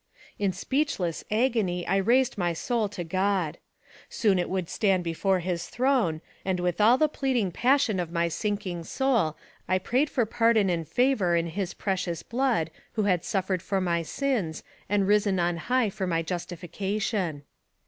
In speechless agony I raised my soul to God ! Soon it would stand before his throne, and with all the pleading passion of my sinking soul I prayed for 58 NARRATIVE OF CAPTIVITY pardon and favor in his precious blood, who had suffered for my sins, and risen on high for my justifi cation.